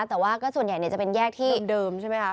แต่ว่าก็ส่วนใหญ่จะเป็นแยกที่เดิมใช่ไหมคะ